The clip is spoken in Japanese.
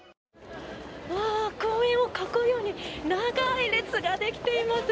公園を囲うように長い列ができています。